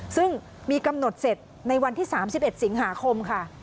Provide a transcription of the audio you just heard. ซึ่งมีกำหนดเสร็จในวันที่๓๑สิงหาคมค่ะ